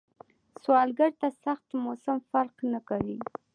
سوالګر ته سخت موسم فرق نه کوي